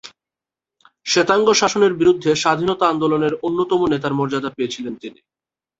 শ্বেতাঙ্গ শাসনের বিরুদ্ধে স্বাধীনতা আন্দোলনের অন্যতম নেতার মর্যাদা পেয়েছিলেন তিনি।